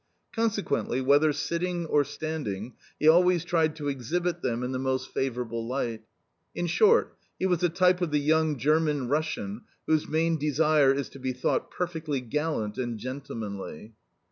Consequently, whether sitting or standing, he always tried to exhibit them in the most favourable light. In short, he was a type of the young German Russian whose main desire is to be thought perfectly gallant and gentlemanly.